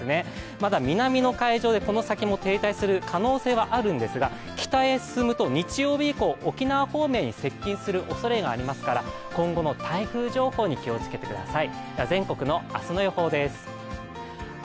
まだ南の海上で、この先も停滞する可能性はあるんですが、北へ進むと日曜日以降沖縄方面へ接近する恐れがあるので今後の台風情報に気をつけてください。